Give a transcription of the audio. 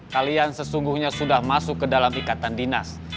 kalian sesungguhnya sudah masuk ke dalam ikatan dinas